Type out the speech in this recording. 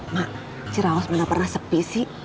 mak si raus mana pernah sepi sih